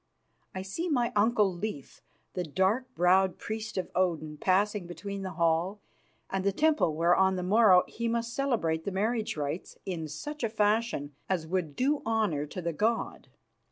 I see my uncle, Leif, the dark browed priest of Odin, passing between the hall and the temple where on the morrow he must celebrate the marriage rites in such a fashion as would do honour to the god.